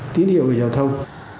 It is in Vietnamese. tín hiệu của giao thông